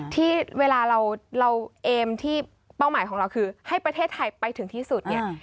ที่เวลาเราเอมที่เป้าหมายของเราคือให้ประเทศไทยไปถึงที่สุดเนี่ย